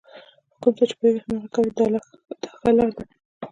په کوم څه چې پوهېږئ هماغه کوئ دا ښه لار ده.